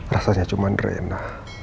rasanya cuman rena